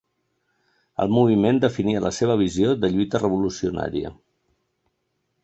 El moviment definia la seva visió de lluita revolucionària.